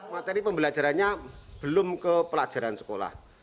materi pembelajarannya belum ke pelajaran sekolah